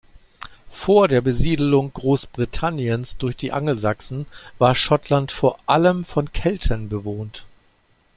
Vor der Besiedlung Großbritanniens durch die Angelsachsen war Schottland vor allem von Kelten bewohnt.